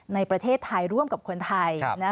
ในประเทศไทยร่วมกับคนไทย